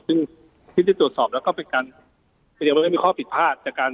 ซึ่งที่จะตรวจสอบแล้วก็เป็นการแสดงว่าไม่มีข้อผิดพลาดจากการ